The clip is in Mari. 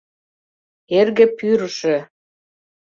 Эрге Пӱрышӧ!